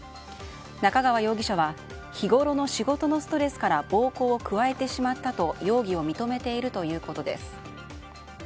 中川容疑者は日ごろの仕事のストレスから暴行を加えてしまったと容疑を認めているということです。